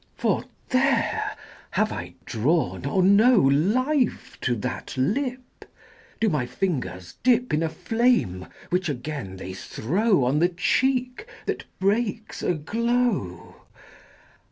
XXI. For, there! have I drawn or no Life to that lip? Do my fingers dip In a flame which again they throw On the cheek that breaks a glow?